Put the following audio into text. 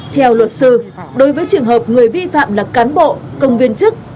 theo luật sư đối với trường hợp người vi phạm là cán bộ công viên chức